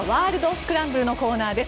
スクランブルのコーナーです。